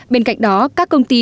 bên cạnh đó các công ty